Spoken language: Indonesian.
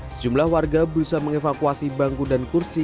sejumlah warga berusaha mengevakuasi bangku dan kursi